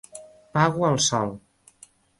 Pago al sol.